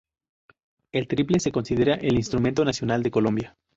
El tiple se considera el instrumento nacional de Colombia.